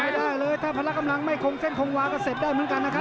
ได้เลยถ้าพละกำลังไม่คงเส้นคงวาก็เสร็จได้เหมือนกันนะครับ